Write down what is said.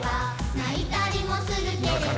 「ないたりもするけれど」